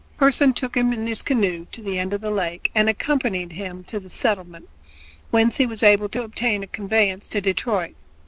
Pearson took him in his canoe to the end of the lake and accompanied him to the settlement, whence he was able to obtain a conveyance to Detroit.